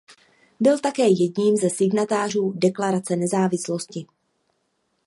Byl také jedním ze signatářů Deklarace nezávislosti.